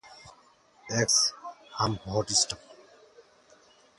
অতিরিক্ত পানি পান করার ফলেও পানির নেশা হতে পারে।